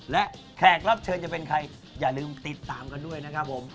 และแขกรับเชิญจะเป็นใครอย่าลืมติดตามกันด้วยนะครับผม